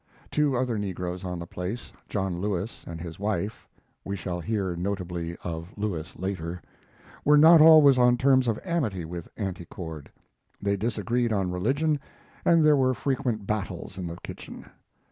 Two other negroes on the place, John Lewis and his wife (we shall hear notably of Lewis later), were not always on terms of amity with Auntie Cord. They disagreed on religion, and there were frequent battles in the kitchen.